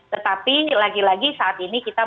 tetapi lagi lagi saat ini kita